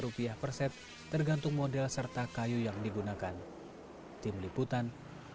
rp satu persep tergantung model serta kayu yang digunakan